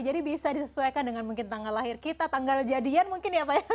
jadi bisa disesuaikan dengan mungkin tanggal lahir kita tanggal jadian mungkin ya pak ya